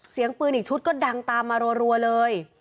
เสียงปืนอีกชุดก็ดังตามมารัวเลย